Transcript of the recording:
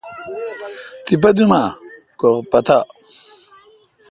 تیپہ دوم اؘ کو پتا۔